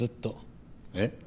えっ？